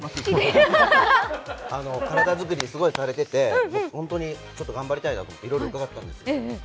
体作りすごいされてて、頑張りたいなといろいろ伺ったんです。